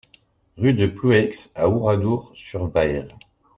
Rue de Pouloueix à Oradour-sur-Vayres